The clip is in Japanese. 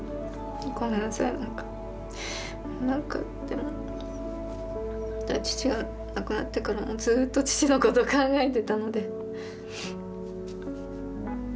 何かでも父が亡くなってからもずっと父のこと考えてたので。